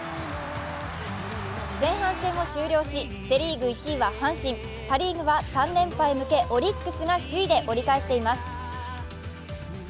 前半戦を終了しセ・リーグ１位は阪神、パ・リーグは３連覇へ向けオリックスが首位で折り返しています。